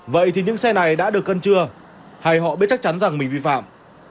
vậy thì những xe này đã được cân chưa hay họ biết chắc chắn rằng mình vi phạm